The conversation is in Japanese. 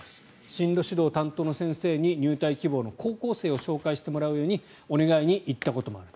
進路指導担当の先生に入隊希望の高校生を紹介してもらうようにお願いに行ったこともある。